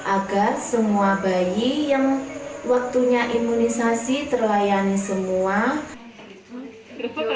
agar semua bayi yang waktunya imunisasi terlayani semua